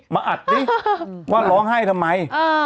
มาอัดสิว่าร้องไห้ทำไม